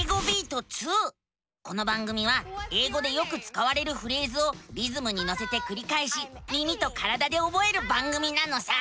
この番組は英語でよくつかわれるフレーズをリズムにのせてくりかえし耳と体でおぼえる番組なのさ！